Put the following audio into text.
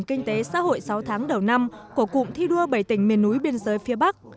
kinh tế xã hội sáu tháng đầu năm của cụm thi đua bảy tỉnh miền núi biên giới phía bắc